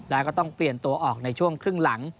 แล้วก็ต้องเปลี่ยนตัวออกในช่วงครึ่งหลัง